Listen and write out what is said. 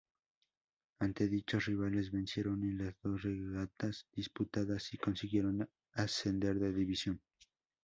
Ante dichos rivales vencieron en las dos regatas disputadas y consiguieron ascender de división.